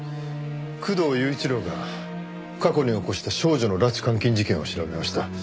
工藤雄一郎が過去に起こした少女の拉致・監禁事件を調べました。